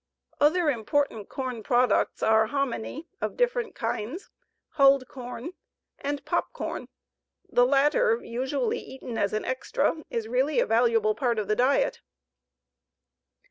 Other important corn products are hominy of different kinds, hulled corn, and popcorn. The latter, usually eaten as an "extra," is really a valuable part of the diet.